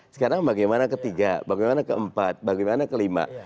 sekarang bagaimana ketiga bagaimana keempat bagaimana kelima